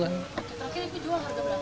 terakhir ibu jual harga berapa